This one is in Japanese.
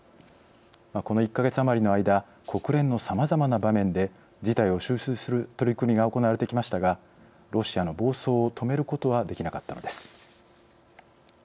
この１か月余りの間国連のさまざまな場面で事態を収拾する取り組みが行われてきましたがロシアの暴走を止めることはできなかったのです。